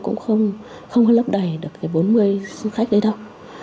cũng không lấp đầy được cái bốn mươi khách đấy đâu